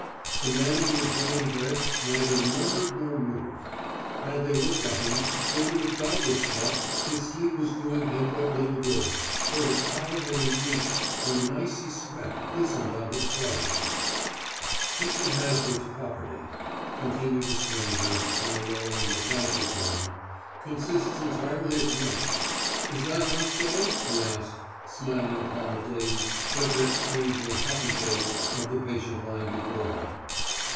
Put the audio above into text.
The man in the adjoining bed neither murmured nor moved. Had they looked at him, they would have doubtless thought his sleep was doing him but little good, for his pallor had increased and an icy sweat glistened on his forehead. "Mr. Hazlitt's property," continued the stranger in a low and mechanical tone, "consists entirely of money. Is that not so?" he asked, smiling upon the dazed but yet strangely happy face of the patient lying before him.